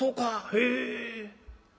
へえ。